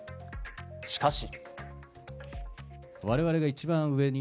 しかし。